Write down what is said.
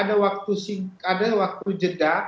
ada waktu jeda